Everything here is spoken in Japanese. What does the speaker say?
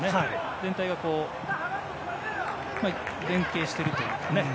全体が連係しているというかね。